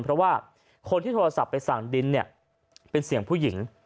เพราะว่าคนที่โทรศัพท์ไปสั่งดินเนี่ยเป็นเสียงผู้หญิง